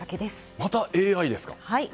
またＡＩですか。